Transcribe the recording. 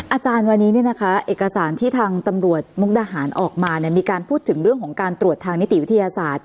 อาจารย์วันนี้เอกสารที่ทางตำรวจมุกดาหารออกมามีการพูดถึงเรื่องของการตรวจทางนิติวิทยาศาสตร์